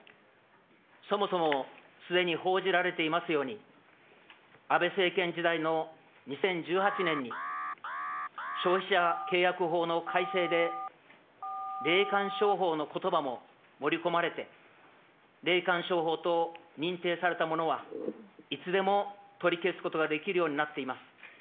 そもそもすでに報じられていますように、安倍政権時代の２０１８年に、消費者契約法の改正で霊感商法のことばも盛り込まれて、霊感商法と認定されたものは、いつでも取り消すことができるようになっています。